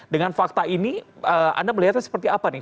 dengan fakta ini anda melihatnya seperti apa nih